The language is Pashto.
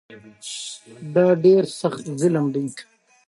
د مشابه دندو مدغم کول پکې شامل دي.